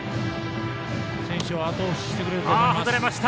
選手をあと押ししてくれると思います。